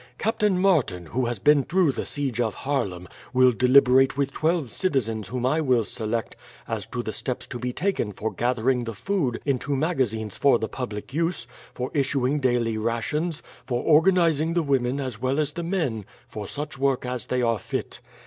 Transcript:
Captain Martin, who has been through the siege of Haarlem, will deliberate with twelve citizens whom I will select as to the steps to be taken for gathering the food into magazines for the public use, for issuing daily rations, for organizing the women as well as the men for such work as they are fit.